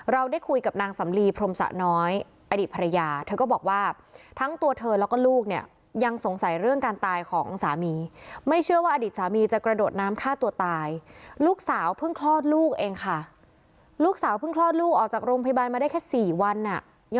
เราได้คุยกับนางสำลีพรมสะน้อยอดีตภรรยาเธอก็บอกว่าทั้งตัวเธอแล้วก็ลูกเนี่ย